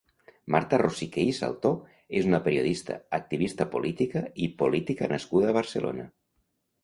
Marta Rosique i Saltor és una periodista, activista política i política nascuda a Barcelona.